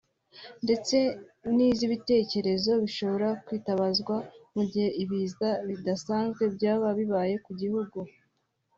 ndetse n’iz’ibitekerezo bishobora kwitabazwa mu gihe ibiza bidasanzwe byaba bibaye ku gihugu